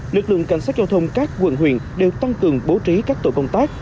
lực lượng cảnh sát giao thông các quận huyện đều tăng cường bố trí các tổ công tác